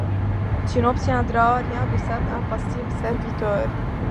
Tu n’obtiendras rien de cet impassible serviteur.